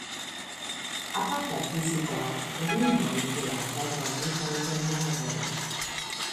Aparta vizito al ruinoj de abandonitaj domaroj.